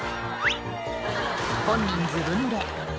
本人ずぶぬれ